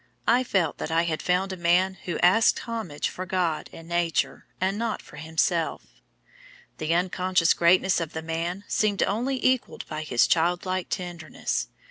I felt that I had found a man who asked homage for God and Nature, and not for himself. "The unconscious greatness of the man seemed only equalled by his child like tenderness.